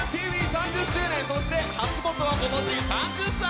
３０年周年、そして橋本は今年３０歳！